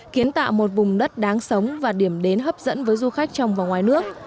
kiến tạo một vùng đất đáng sống và điểm đến hấp dẫn với du khách trong và ngoài nước